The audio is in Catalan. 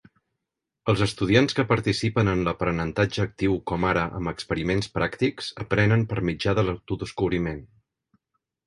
Els estudiants que participen en l'aprenentatge actiu, com ara amb experiments pràctics, aprenen per mitjà de l'autodescobriment.